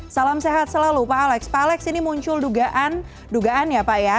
salam sehat selalu pak alex pak alex ini muncul dugaan dugaan ya pak ya